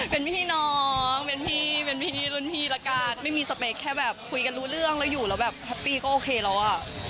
เป็นพี่น้องเป็นพี่เป็นพี่รุ่นพี่ละกันไม่มีสเปคแค่แบบคุยกันรู้เรื่องแล้วอยู่แล้วแบบแฮปปี้ก็โอเคแล้วอ่ะ